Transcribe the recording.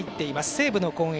西武の攻撃。